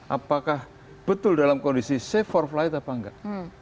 apakah betul dalam kondisi safe for flight apa enggak